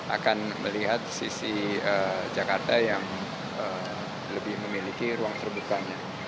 akan melihat sisi jakarta yang lebih memiliki ruang terbukanya